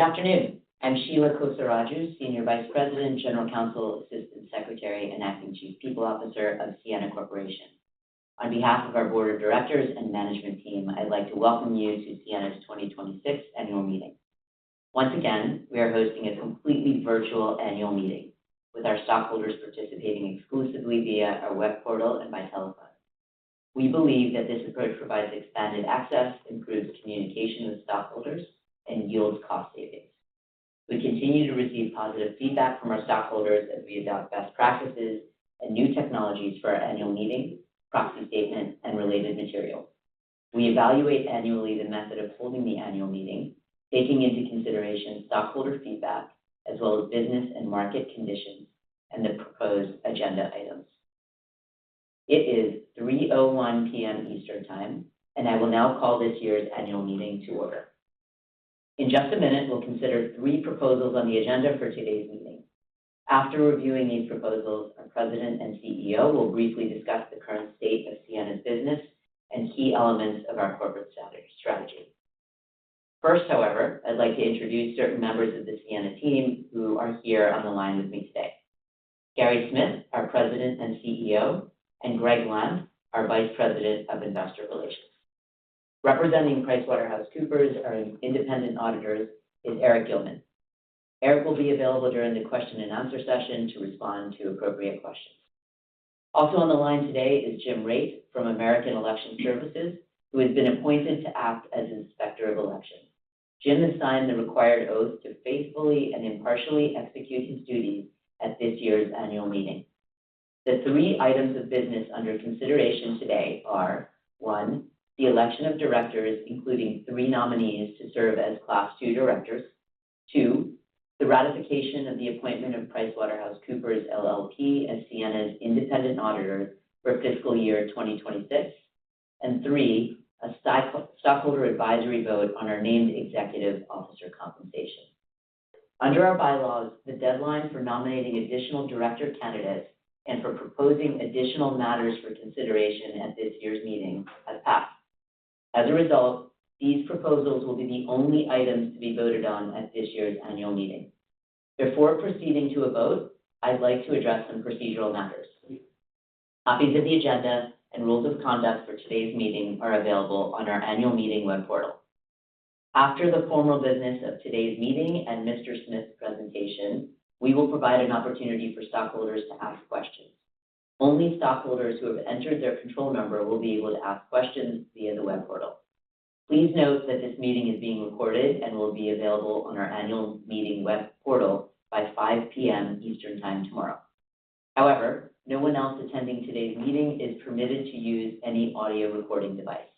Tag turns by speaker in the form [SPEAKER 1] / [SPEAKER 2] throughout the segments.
[SPEAKER 1] Good afternoon. I'm Sheela Kosaraju, Senior Vice President, General Counsel, Assistant Secretary, and Acting Chief People Officer of Ciena Corporation. On behalf of our board of directors and management team, I'd like to welcome you to Ciena's 2026 Annual Meeting. Once again, we are hosting a completely virtual annual meeting with our stockholders participating exclusively via our web portal and by telephone. We believe that this approach provides expanded access, improves communication with stockholders, and yields cost savings. We continue to receive positive feedback from our stockholders as we adopt best practices and new technologies for our annual meeting, proxy statement, and related materials. We evaluate annually the method of holding the annual meeting, taking into consideration stockholder feedback as well as business and market conditions and the proposed agenda items. It is 3:01 P.M. Eastern Time, and I will now call this year's annual meeting to order. In just a minute, we'll consider three proposals on the agenda for today's meeting. After reviewing these proposals, our President and CEO will briefly discuss the current state of Ciena's business and key elements of our corporate strategy. First, however, I'd like to introduce certain members of the Ciena team who are here on the line with me today. Gary Smith, our President and CEO, and Gregg Lampf, our Vice President of Investor Relations. Representing PricewaterhouseCoopers, our independent auditors, is Eric Gillman. Eric will be available during the question and answer session to respond to appropriate questions. Also on the line today is Jim Raitt from American Election Services, who has been appointed to act as Inspector of Elections. Jim has signed the required oath to faithfully and impartially execute his duties at this year's annual meeting. The three items of business under consideration today are, one, the election of directors, including three nominees to serve as Class II directors. Two, the ratification of the appointment of PricewaterhouseCoopers LLP as Ciena's independent auditor for fiscal year 2026. Three, a stockholder advisory vote on our named executive officer compensation. Under our bylaws, the deadline for nominating additional director candidates and for proposing additional matters for consideration at this year's meeting has passed. As a result, these proposals will be the only items to be voted on at this year's annual meeting. Before proceeding to a vote, I'd like to address some procedural matters. Copies of the agenda and rules of conduct for today's meeting are available on our annual meeting web portal. After the formal business of today's meeting and Mr. Smith's presentation, we will provide an opportunity for stockholders to ask questions. Only stockholders who have entered their control number will be able to ask questions via the web portal. Please note that this meeting is being recorded and will be available on our annual meeting web portal by 5:00 P.M. Eastern Time tomorrow. However, no one else attending today's meeting is permitted to use any audio recording device.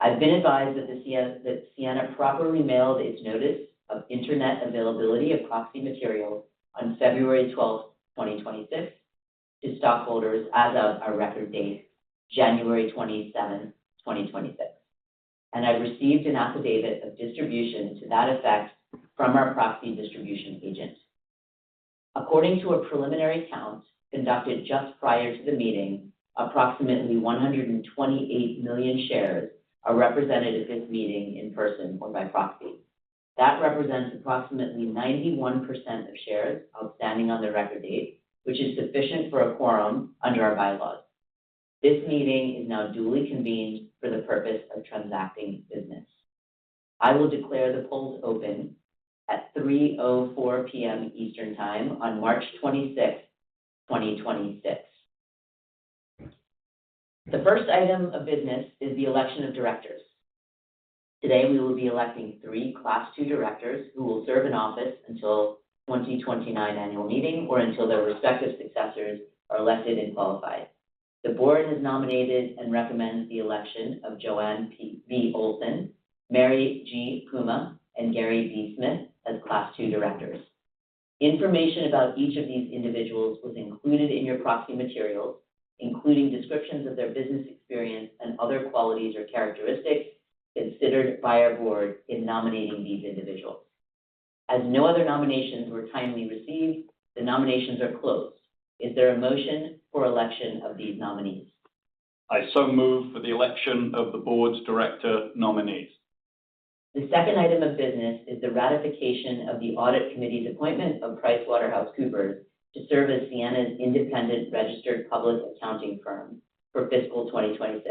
[SPEAKER 1] I've been advised that Ciena properly mailed its notice of internet availability of proxy materials on February 12th 2026 to stockholders as of our record date, January 27th 2026, and I've received an affidavit of distribution to that effect from our proxy distribution agent. According to a preliminary count conducted just prior to the meeting, approximately 128 million shares are represented at this meeting in person or by proxy. That represents approximately 91% of shares outstanding on the record date, which is sufficient for a quorum under our bylaws. This meeting is now duly convened for the purpose of transacting business. I will declare the polls open at 3:04 P.M. Eastern Time on March 26 2026. The first item of business is the election of directors. Today, we will be electing three Class II directors who will serve in office until 2029 annual meeting or until their respective successors are elected and qualified. The board has nominated and recommends the election of Joanne B. Olsen, Mary G. Puma, and Gary B. Smith as Class II directors. Information about each of these individuals was included in your proxy materials, including descriptions of their business experience and other qualities or characteristics considered by our board in nominating these individuals. As no other nominations were timely received, the nominations are closed. Is there a motion for election of these nominees?
[SPEAKER 2] I move for the election of the board's director nominees.
[SPEAKER 1] The second item of business is the ratification of the audit committee's appointment of PricewaterhouseCoopers to serve as Ciena's independent registered public accounting firm for fiscal 2026.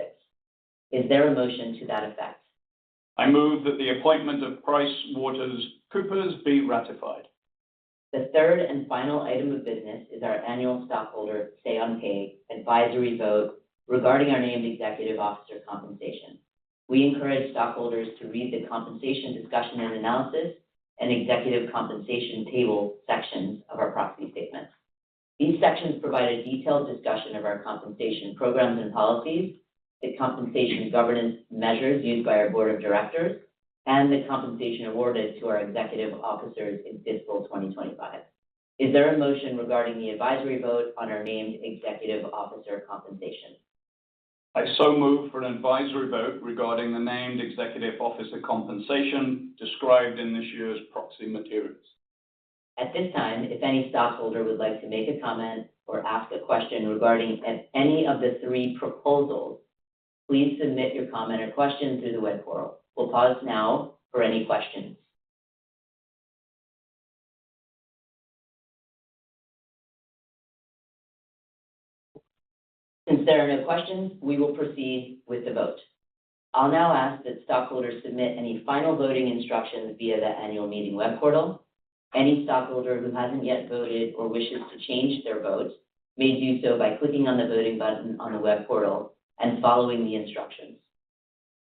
[SPEAKER 1] Is there a motion to that effect?
[SPEAKER 2] I move that the appointment of PricewaterhouseCoopers be ratified.
[SPEAKER 1] The third and final item of business is our annual stockholder say on pay advisory vote regarding our named executive officer compensation. We encourage stockholders to read the compensation discussion and analysis and executive compensation table sections of our proxy statement. These sections provide a detailed discussion of our compensation programs and policies, the compensation governance measures used by our board of directors, and the compensation awarded to our executive officers in fiscal 2025. Is there a motion regarding the advisory vote on our named executive officer compensation?
[SPEAKER 2] I so move for an advisory vote regarding the named executive officer compensation described in this year's proxy materials.
[SPEAKER 1] At this time, if any stockholder would like to make a comment or ask a question regarding any of the three proposals, please submit your comment or question through the web portal. We'll pause now for any questions. Since there are no questions, we will proceed with the vote. I'll now ask that stockholders submit any final voting instructions via the annual meeting web portal. Any stockholder who hasn't yet voted or wishes to change their vote may do so by clicking on the voting button on the web portal and following the instructions.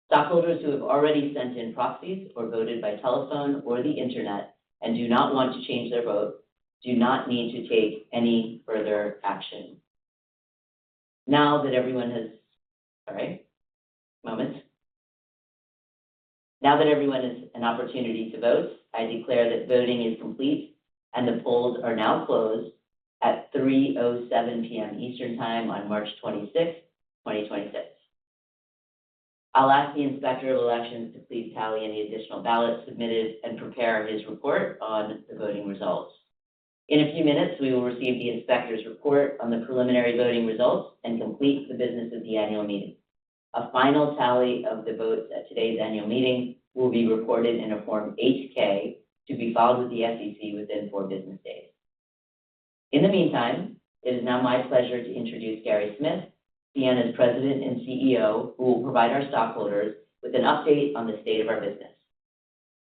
[SPEAKER 1] Stockholders who have already sent in proxies or voted by telephone or the Internet and do not want to change their vote, do not need to take any further action. Sorry. One moment. Now that everyone has an opportunity to vote, I declare that voting is complete and the polls are now closed at 3:07 P.M. Eastern Time on March 26 2026. I'll ask the Inspector of Elections to please tally any additional ballots submitted and prepare his report on the voting results. In a few minutes, we will receive the inspector's report on the preliminary voting results and complete the business of the annual meeting. A final tally of the votes at today's annual meeting will be recorded in a Form 8-K to be filed with the SEC within four business days. In the meantime, it is now my pleasure to introduce Gary Smith, Ciena's President and CEO, who will provide our stockholders with an update on the state of our business.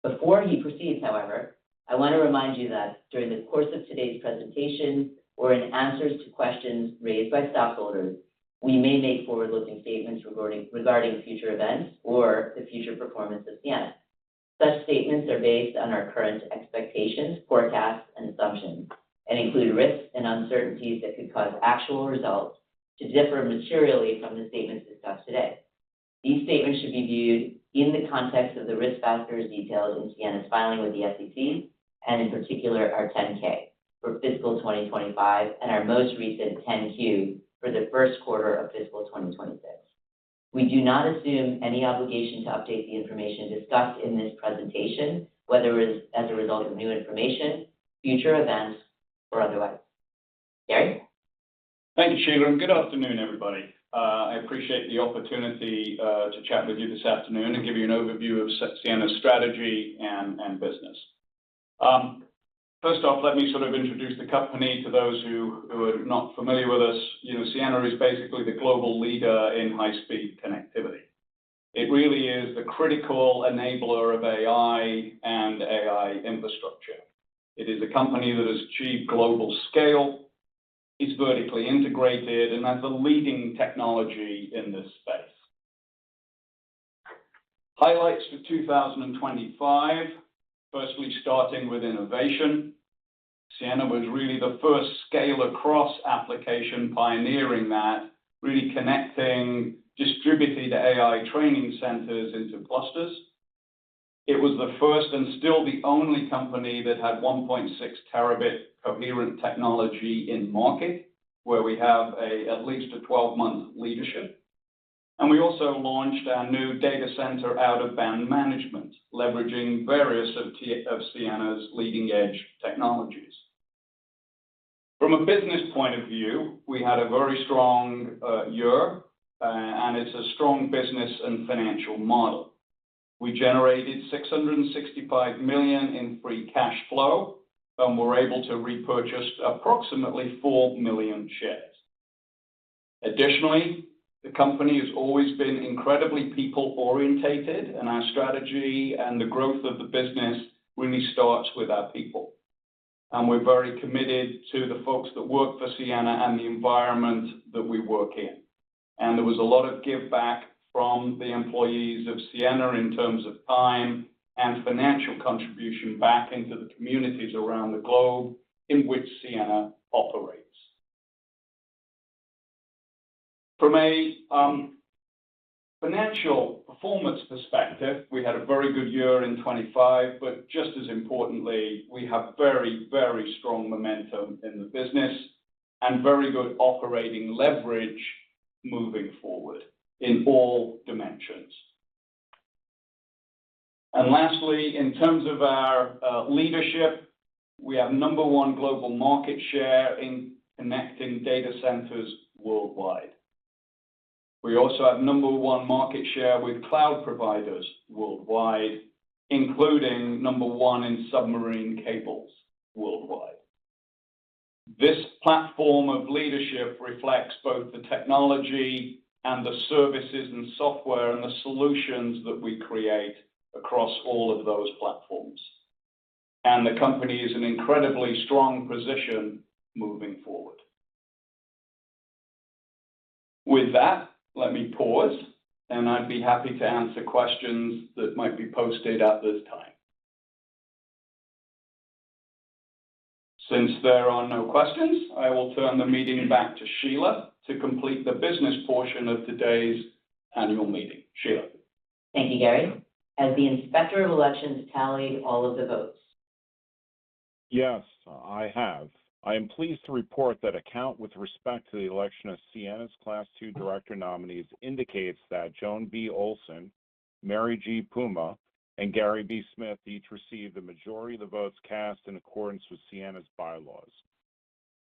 [SPEAKER 1] Before he proceeds, however, I want to remind you that during the course of today's presentation or in answers to questions raised by stockholders, we may make forward-looking statements regarding future events or the future performance of Ciena. Such statements are based on our current expectations, forecasts, and assumptions, and include risks and uncertainties that could cause actual results to differ materially from the statements discussed today. These statements should be viewed in the context of the risk factors detailed in Ciena's filing with the SEC, and in particular our 10-K for fiscal 2025 and our most recent 10-Q for the first quarter of fiscal 2026. We do not assume any obligation to update the information discussed in this presentation, whether as a result of new information, future events or otherwise. Gary.
[SPEAKER 2] Thank you, Sheela, and good afternoon, everybody. I appreciate the opportunity to chat with you this afternoon and give you an overview of Ciena's strategy and business. First off, let me sort of introduce the company to those who are not familiar with us. You know, Ciena is basically the global leader in high-speed connectivity. It really is the critical enabler of AI and AI infrastructure. It is a company that has achieved global scale, is vertically integrated and has a leading technology in this space. Highlights for 2025. Firstly, starting with innovation. Ciena was really the first to scale across applications pioneering that really connecting distributed AI training centers into clusters. It was the first and still the only company that had 1.6 Tb coherent technology in market, where we have at least a 12-month leadership. We also launched our new data center out-of-band management, leveraging various of Ciena's leading-edge technologies. From a business point of view, we had a very strong year, and it's a strong business and financial model. We generated $665 million in free cash flow, and we're able to repurchase approximately 4 million shares. Additionally, the company has always been incredibly people-oriented, and our strategy and the growth of the business really starts with our people. We're very committed to the folks that work for Ciena and the environment that we work in. There was a lot of give back from the employees of Ciena in terms of time and financial contribution back into the communities around the globe in which Ciena operates. From a financial performance perspective, we had a very good year in 2025, but just as importantly, we have very, very strong momentum in the business and very good operating leverage moving forward in all dimensions. Lastly, in terms of our leadership, we have number one global market share in connecting data centers worldwide. We also have number one market share with cloud providers worldwide, including number one in submarine cables worldwide. This platform of leadership reflects both the technology and the services and software and the solutions that we create across all of those platforms. The company is in incredibly strong position moving forward. With that, let me pause, and I'd be happy to answer questions that might be posted at this time. Since there are no questions, I will turn the meeting back to Sheela to complete the business portion of today's annual meeting. Sheela.
[SPEAKER 1] Thank you, Gary. Has the Inspector of Elections tallied all of the votes?
[SPEAKER 3] Yes, I have. I am pleased to report that a count with respect to the election of Ciena's Class II director nominees indicates that Joanne B. Olsen, Mary G. Puma, and Gary B. Smith each received the majority of the votes cast in accordance with Ciena's bylaws.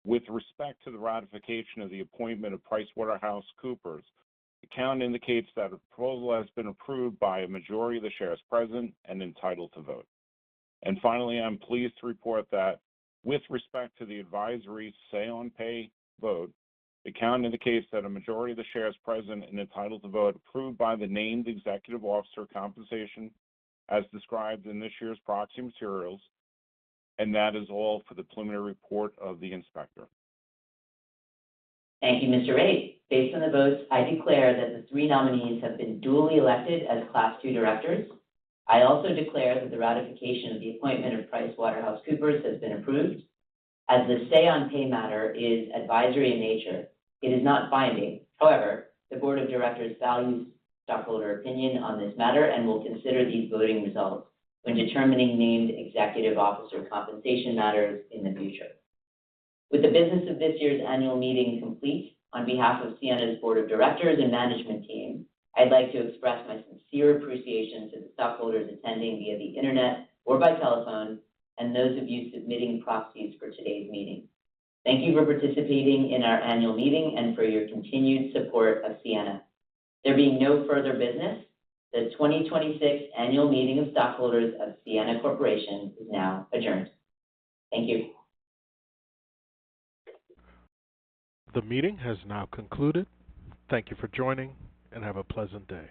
[SPEAKER 3] With respect to the ratification of the appointment of PricewaterhouseCoopers, the count indicates that a proposal has been approved by a majority of the shares present and entitled to vote. Finally, I'm pleased to report that with respect to the advisory say on pay vote, the count indicates that a majority of the shares present and entitled to vote, approved by the named executive officer compensation as described in this year's proxy materials. That is all for the preliminary report of the inspector.
[SPEAKER 1] Thank you, Mr. Raitt. Based on the votes, I declare that the three nominees have been duly elected as Class II directors. I also declare that the ratification of the appointment of PricewaterhouseCoopers has been approved. As the say on pay matter is advisory in nature, it is not binding. However, the board of directors values stockholder opinion on this matter and will consider these voting results when determining named executive officer compensation matters in the future. With the business of this year's annual meeting complete, on behalf of Ciena's board of directors and management team, I'd like to express my sincere appreciation to the stockholders attending via the Internet or by telephone and those of you submitting proxies for today's meeting. Thank you for participating in our annual meeting and for your continued support of Ciena. There being no further business, the 2026 annual meeting of stockholders of Ciena Corporation is now adjourned. Thank you.
[SPEAKER 4] The meeting has now concluded. Thank you for joining, and have a pleasant day.